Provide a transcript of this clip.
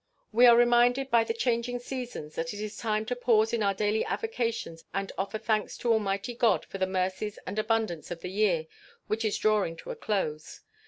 We are reminded by the changing seasons that it is time to pause in our daily avocations and offer thanks to Almighty God for the mercies and abundance of the year which is drawing to a close.